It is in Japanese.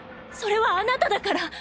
それはあなただから。